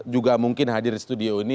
juga mungkin hadir di studio ini